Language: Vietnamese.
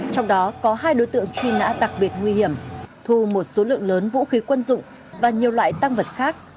trong đó có hai đối tượng truy nã đặc biệt nguy hiểm thu một số lượng lớn vũ khí quân dụng và nhiều loại tăng vật khác